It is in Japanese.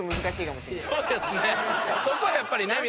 そこはやっぱり。